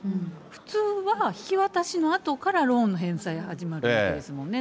普通は、引き渡しのあとからローンの返済が始まるわけですもんね。